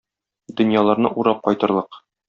Дөньяларны урап кайтырлык!